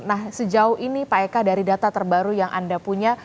nah sejauh ini pak eka dari data terbaru yang anda punya